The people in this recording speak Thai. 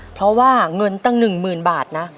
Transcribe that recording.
เพราะว่าเงินตั้งหนึ่งหมื่นบาทนะ